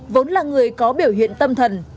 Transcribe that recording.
vốn là người có biểu hiện tâm thần